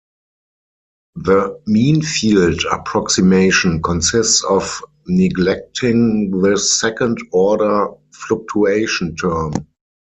The mean-field approximation consists of neglecting this second order fluctuation term.